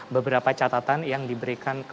beberapa catatan yang diberikan